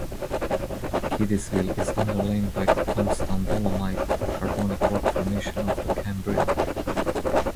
Keedysville is underlain by the Tomstown Dolomite, a carbonic rock formation of the Cambrian.